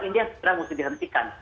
ini yang sekarang harus dihentikan